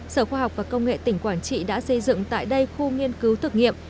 sở khoa học và công nghệ tỉnh quảng trị đã xây dựng tại đây khu nghiên cứu thực nghiệm